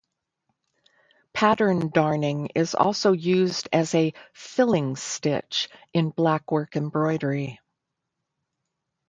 Pattern darning is also used as a "filling stitch" in blackwork embroidery.